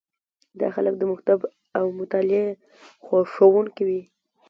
دا خلک د مکتب او مطالعې خوښوونکي وي.